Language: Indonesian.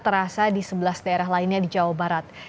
terasa di sebelas daerah lainnya di jawa barat